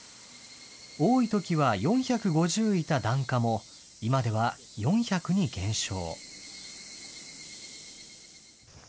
多いときは４５０いた檀家も、今では４００に減少。